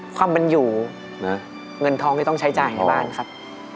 ความเป็นอยู่เงินทองที่ต้องใช้จ่ายให้บ้านครับ